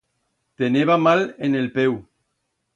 Teneba mal en el peu.